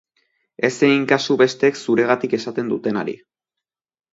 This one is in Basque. Ez egin kasu besteek zuregatik esaten dutenari.